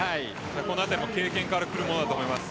このあたりも経験からくるものだと思います。